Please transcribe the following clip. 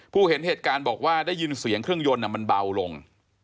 เห็นเหตุการณ์บอกว่าได้ยินเสียงเครื่องยนต์มันเบาลง